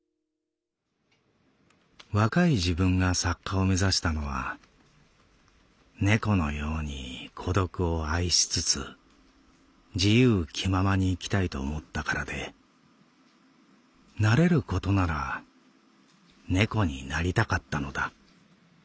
「若い自分が作家を目指したのは猫のように孤独を愛しつつ自由気ままに生きたいと思ったからでなれることなら猫になりたかったのだ。